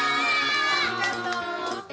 ありがとう。